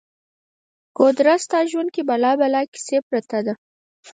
ګودره! ستا ژوند کې بلا بلا کیسه پرته ده